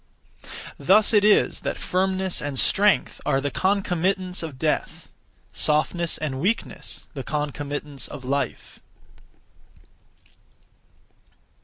Thus it is that firmness and strength are the concomitants of death; softness and weakness, the concomitants of life.